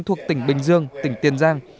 thuộc tỉnh bình dương tỉnh tiền giang